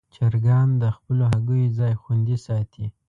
چرګان د خپلو هګیو ځای خوندي ساتي.